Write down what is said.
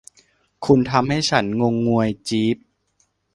คุณทำให้ฉันงงงวย จี๊ปส์